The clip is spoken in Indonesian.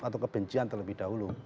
atau kebencian terlebih dahulu